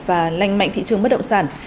và lành mạnh thị trường bất động sản